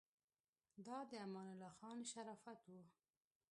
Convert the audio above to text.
دا د امان الله خان شرافت و.